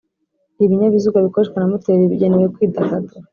ibinyabiziga bikoreshwa na moteri bigenewe kwidagadura